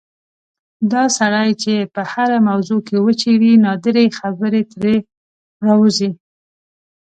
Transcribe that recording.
دا سړی چې په هره موضوع کې وچېړې نادرې خبرې ترې راوځي.